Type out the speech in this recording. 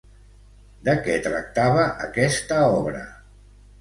De què tractava aquesta obra?